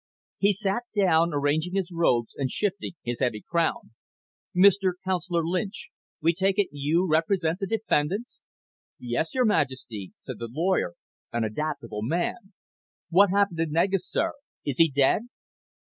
He sat down, arranging his robes and shifting his heavy crown. "Mr. Counselor Lynch, we take it you represent the defendants?" "Yes, Your Majesty," said the lawyer, an adaptable man. "What happened to Negus, sir? Is he dead?"